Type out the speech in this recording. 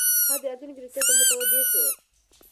هغه د راتلونکې روغتیا ته متوجه شو.